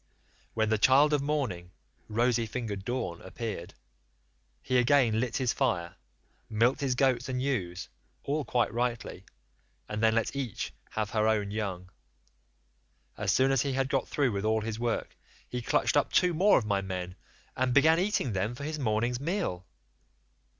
"When the child of morning, rosy fingered dawn, appeared, he again lit his fire, milked his goats and ewes, all quite rightly, and then let each have her own young one; as soon as he had got through with all his work, he clutched up two more of my men, and began eating them for his morning's meal.